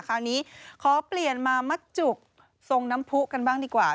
คราวนี้ขอเปลี่ยนมามัดจุกทรงน้ำผู้กันบ้างดีกว่า